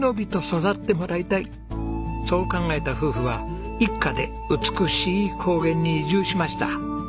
そう考えた夫婦は一家で美しい高原に移住しました。